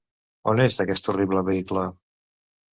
On és aquest horrible vehicle?